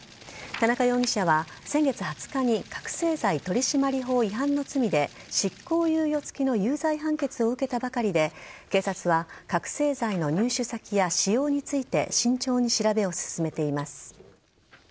田中容疑者は先月２０日に覚せい剤取締法違反の罪で執行猶予付きの有罪判決を受けたばかりで警察は覚醒剤の入手先や使用について慎重に調べを進めています。